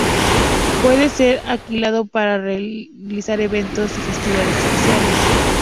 Puede ser alquilado para realizar eventos y festivales especiales.